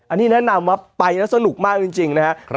อันนี้แนะนำว่าไปแล้วสนุกมากจริงนะครับ